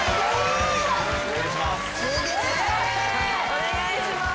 お願いします。